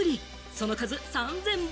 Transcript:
その数３０００本！